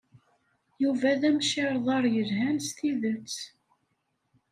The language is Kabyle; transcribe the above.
Yuba d amcirḍar yelhan s tidet.